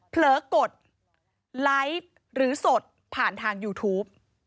เยกดไลค์หรือสดผ่านทางยูทูป